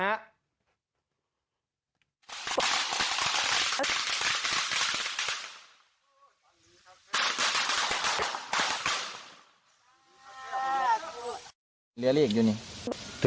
เรียนเลขอยู่นี่